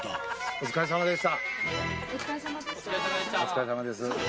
お疲れさまです。